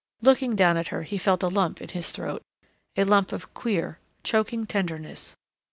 Looking down at her he felt a lump in his throat ... a lump of queer, choking tenderness....